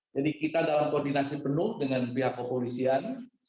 jadi kita dalam koordinasi penuh dengan pihak kepolisian dua puluh empat tujuh